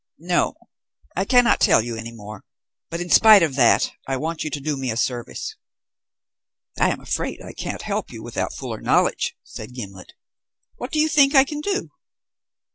No, I cannot tell you any more, but in spite of that, I want you to do me a service." "I am afraid I can't help you without fuller knowledge," said Gimblet. "What do you think I can do?"